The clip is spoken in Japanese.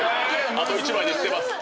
あと１枚で捨てます。